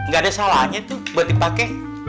gak ada salahnya tuh buat dipakai